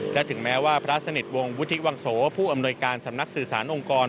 และถึงแม้ว่าพระสนิทวงศ์วุฒิวังโสผู้อำนวยการสำนักสื่อสารองค์กร